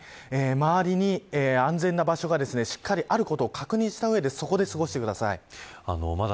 周りに安全な場所がしっかりあることを確認した上でそこで過ごしてください。